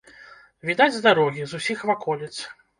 Відаць з дарогі, з усіх ваколіц.